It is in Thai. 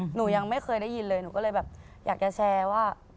หนูยังไม่เคยได้ยินเลยหนูก็เลยแบบอยากจะแชร์ว่า